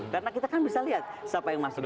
karena kita kan bisa lihat siapa yang masuk